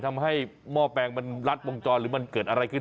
หม้อแปลงมันรัดวงจรหรือมันเกิดอะไรขึ้น